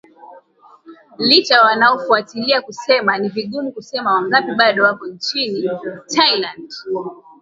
licha ya wanaofuatilia kusema ni vigumu kusema wangapi bado wako nchini Thailand